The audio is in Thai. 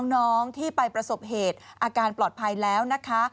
น้องที่ไปประสบเหตุอาการปลอดภัยแล้วนะคะ